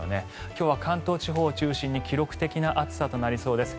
今日は関東地方を中心に記録的な暑さとなりそうです。